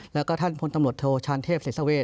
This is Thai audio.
แล้วก็ท่านพลตำรวจโทษชาญเทพศัตริย์เศรษฐาเวท